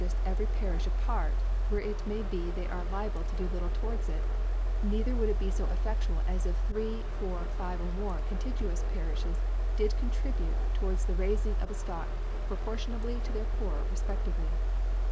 h every Parifli apart, * where it may be they are liable to do * Iitile towards it ; neither would it be ft> * cfFcftual as if three, four, five, or more * conrigoous Pariflies did contribute to^ « wards the raifing of a Stock proportion* * ably to their Poor refpcftirely.